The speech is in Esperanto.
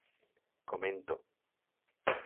komento